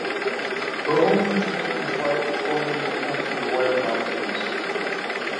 Rome retained the right to formally appoint the royal nominees.